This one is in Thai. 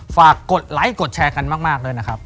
กดไลค์กดแชร์กันมากเลยนะครับ